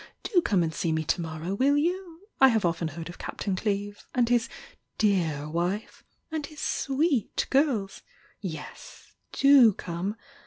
Do come and see me to mor row, will you? I have often heard of Captain Cleeve! — and his dear wife! — and his sweet girls! Yes! — do come!